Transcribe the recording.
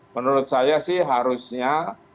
menurut saya sih harusnya